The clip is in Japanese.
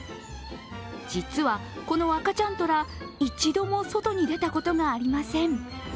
実は、この赤ちゃん虎、一度も外に出たことがありません。